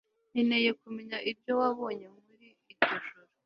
Nkeneye kumenya ibyo wabonye muri iryo joro